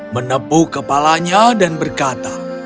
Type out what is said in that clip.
menepuk kepalanya dan berkata